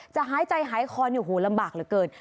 จะหายใจหายคลอนโอ้โหลำบากเหลือเกิน